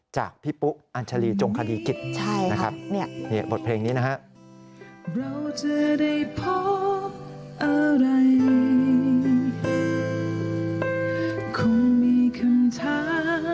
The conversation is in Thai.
จากพี่ปุ๊กอัญชรีจงคดีกิตร์นะครับบทเพลงนี้นะครับโดยคุณปุ๊กอัญชรีจงคดีกิตร์เปิดให้คุณผู้ชมรับฟัง